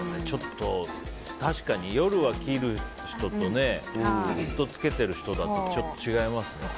確かに、夜は切る人とねずっとつけてる人だと違いますね。